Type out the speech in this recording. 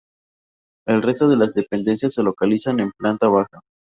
El resto de las dependencias se localizan en planta baja.